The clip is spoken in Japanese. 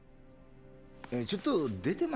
ちょっと出てますね。